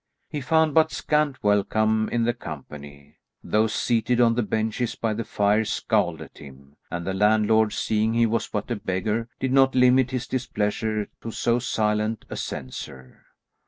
He found but scant welcome in the company. Those seated on the benches by the fire scowled at him; and the landlord seeing he was but a beggar, did not limit his displeasure to so silent a censure.